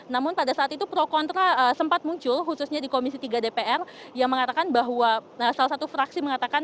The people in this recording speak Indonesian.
namun pada saat itu pro kontra sempat muncul khususnya di komisi tiga dpr yang mengatakan bahwa salah satu fraksi mengatakan